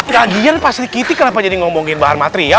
lagian pasri kitty kenapa jadi ngomongin bahan matri ya